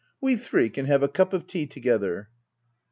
We three can have a cup of tea together.